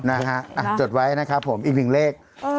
นะฮะจดไว้นะครับผมอีกหนึ่งเลข